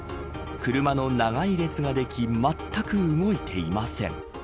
車の長い列ができまったく動いていません。